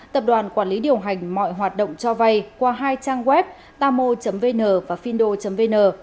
tập đoàn quản lý điều hành mọi hoạt động cho vay qua hai trang web tamo vn và findo vn